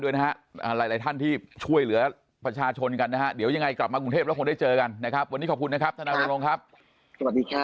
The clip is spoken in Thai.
ด้วยนะหลายท่านที่ช่วยเหลือประชาชนกันนะเดี๋ยวยังไง